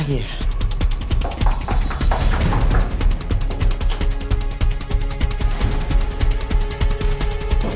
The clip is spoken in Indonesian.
tante itu sudah berubah